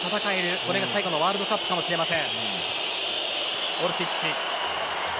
これが最後のワールドカップかもしれません。